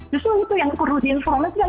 justru itu yang perlu diinformasikan